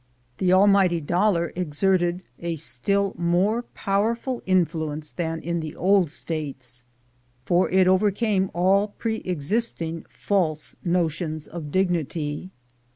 The almighty dollar exerted a still more powerful influence than in the old States, for it overcame all pre existing false notions of dignit}'.